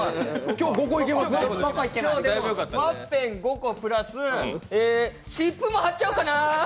今日、ワッペン５個プラス、湿布も貼っちゃおうかな。